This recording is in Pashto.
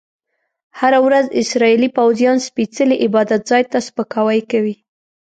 هره ورځ اسرایلي پوځیان سپیڅلي عبادت ځای ته سپکاوی کوي.